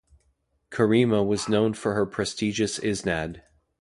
Karima was known for her prestigious isnad.